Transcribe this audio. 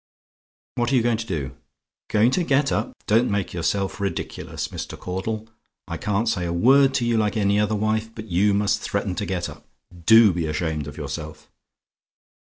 "What are you going to do? "GOING TO GET UP? "Don't make yourself ridiculous, Mr. Caudle; I can't say a word to you like any other wife, but you must threaten to get up. DO be ashamed of yourself.